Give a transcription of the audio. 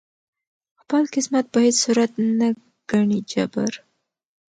خپل قسمت په هیڅ صورت نه ګڼي جبر